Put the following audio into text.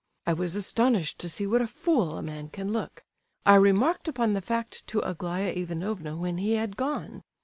I was astonished to see what a fool a man can look. I remarked upon the fact to Aglaya Ivanovna when he had gone.